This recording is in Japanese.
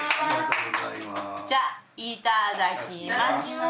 じゃあいただきます。